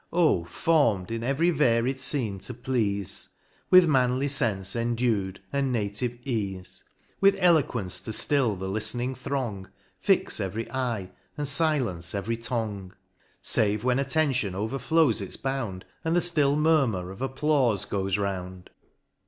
O form'd in every varied fcene to pleafe ! With manly fenfe endued, and native eafe ; With eloquence to ftill the liftening throng, Fix every eye, and lilence every tongue j Save, when attention overflows its bound, And the ftill murmur of applaufe goes round